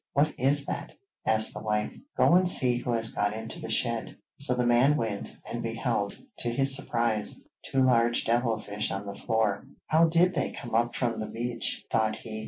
'What is that?' asked the wife. 'Go and see who has got into the shed.' So the man went, and beheld, to his surprise, two large devil fish on the floor. 'How did they come up from the beach?' thought he.